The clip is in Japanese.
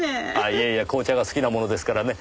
いえいえ紅茶が好きなものですからね。